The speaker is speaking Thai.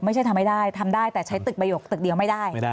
ไม่ใช่ทำไม่ได้ทำได้แต่ใช้ตึกประโยคตึกเดียวไม่ได้